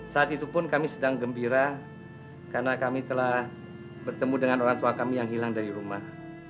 saat itu pun kami sedang gembira karena kami telah bertemu dengan orang tua kami yang hilang dari rumah